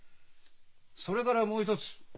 それからもう一つ。